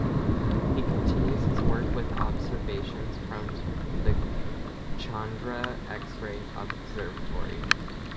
He continues his work with observations from the Chandra X-ray Observatory.